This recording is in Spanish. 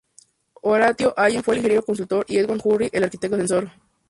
Horatio Allen fue el ingeniero consultor; y Edward Hurry, el arquitecto asesor.